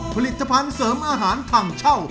ผลิตภัณฑ์เสริมอาหารถังเช่า